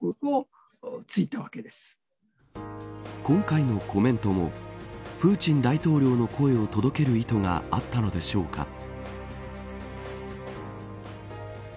今回のコメントもプーチン大統領の声を届ける意図があったのでしょうか。